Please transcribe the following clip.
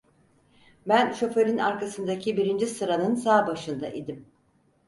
Ben şoförün arkasındaki birinci sıranın sağ başında idim.